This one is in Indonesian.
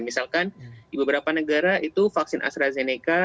misalkan di beberapa negara itu vaksin astrazeneca